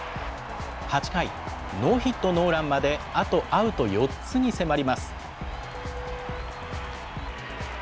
８回、ノーヒットノーランまであとアウト４つに迫ります。